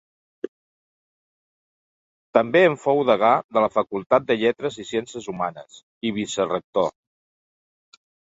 També en fou degà de la Facultat de lletres i ciències humanes, i vicerector.